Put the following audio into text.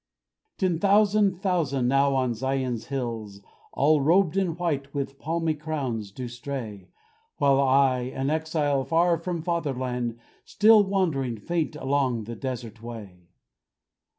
Ten thousand thousand now, on Zion's hills, All robed in white, with palmy crowns, do stray, While I, an exile, far from fatherland, Still wandering, faint along the desert way.